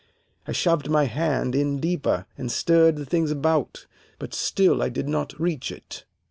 I shoved my hand in deeper, and stirred the things about, but still I did not reach it.